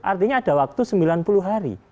artinya ada waktu sembilan puluh hari